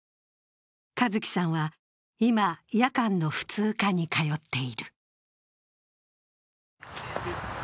和毅さんは今、夜間の普通科に通っている。